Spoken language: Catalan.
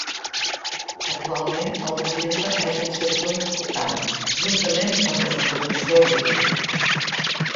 Actualment el turisme és un sector important, juntament amb l'explotació agrícola.